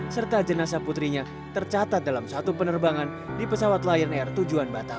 serta jenazah putrinya tercatat dalam satu penerbangan di pesawat lion air tujuan batam